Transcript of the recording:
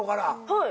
はい。